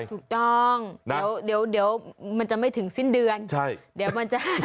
ถูกต้องเดี๋ยวมันจะไม่ถึงสิ้นเดือน